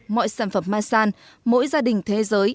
mọi sản phẩm masan mỗi gia đình thế giới